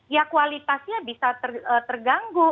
ya kualitasnya bisa terganggu